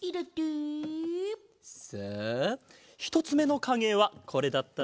さあひとつめのかげはこれだったな。